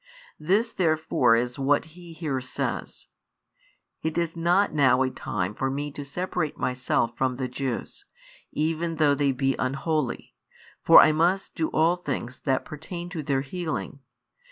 This therefore is what He here says: "It is not now a time for Me to separate Myself from the Jews, even though they be unholy, but I must do all things that pertain to their healing.